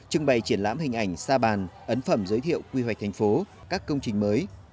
trưng bày triển lãm hình ảnh sa bàn ấn phẩm giới thiệu quy hoạch thành phố các công trình mới